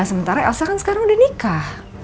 sementara elsa kan sekarang udah nikah